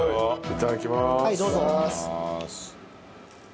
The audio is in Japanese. いただきます。